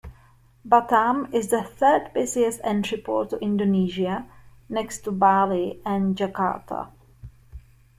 Batam is the third busiest entry port to Indonesia next to Bali and Jakarta.